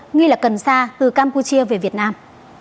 nghi là cần sa từ campuchia về việt nam